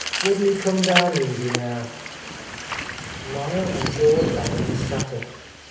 Wouldn't he come down easy, now!" Niel and George Adams sat up.